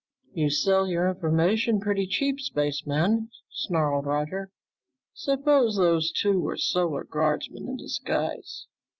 "You sell your information pretty cheap, spaceman," snarled Roger. "Suppose those two were Solar Guardsmen in disguise?"